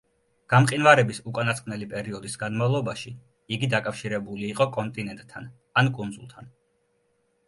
გამყინვარების უკანასკნელი პერიოდის განმავლობაში იგი დაკავშირებული იყო კონტინენტთან ან კუნძულთან.